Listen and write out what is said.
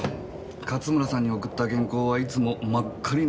勝村さんに送った原稿はいつも真っ赤になって返ってくるって。